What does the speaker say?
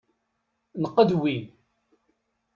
Nqedwi.